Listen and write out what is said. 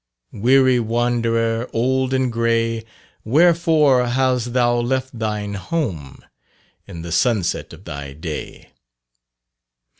Weary wanderer, old and grey, Wherefore has thou left thine home, In the sunset of thy day.